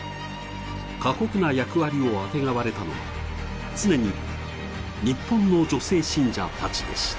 過酷な役割をあてがわれたのは常に日本の女性信者たちでした。